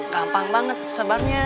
itu gampang banget sebarnya